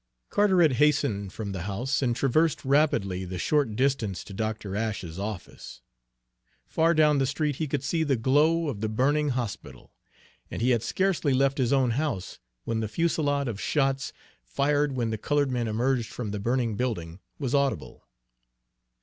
Carteret hastened from the house, and traversed rapidly the short distance to Dr. Ashe's office. Far down the street he could see the glow of the burning hospital, and he had scarcely left his own house when the fusillade of shots, fired when the colored men emerged from the burning building, was audible.